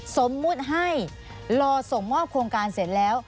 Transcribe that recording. สมมุติให้รอส่งมอบโครงการเสร็จแล้ว